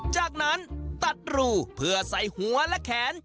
จากนั้นตัดรูเพื่อใส่หัวและแขน